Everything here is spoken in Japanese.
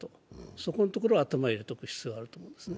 そこのところは頭に入れておく必要があると思うんですね。